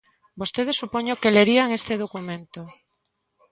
Vostedes supoño que lerían este documento.